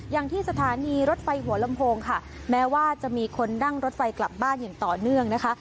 อย่างที่สถานีรถไฟหัวลำโพงค่ะแม้ว่าจะมีคนนั่งรถไฟกลับบ้านอย่างต่อเนื่องนะคะ